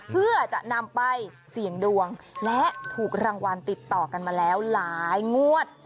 เพื่อจะนำไปเสี่ยงดวงและถูกรางวัลติดต่อกันมาแล้วหลายงวด